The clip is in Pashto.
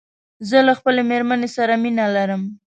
زه له خپلې ميرمن سره مينه لرم